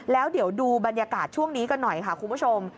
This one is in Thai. แล้วเดี๋ยวดูบรรยากาศช่วงนี้กันหน่อยค่ะคุณผู้ชม